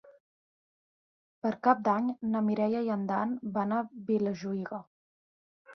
Per Cap d'Any na Mireia i en Dan van a Vilajuïga.